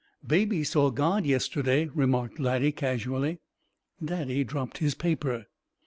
"Baby saw God yesterday," remarked Laddie, casually. Daddy dropped his paper.